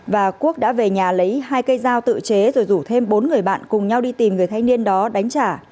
và quốc đã về nhà lấy hai cây dao tự chế rồi rủ thêm bốn người bạn cùng nhau đi tìm người thanh niên đó đánh trả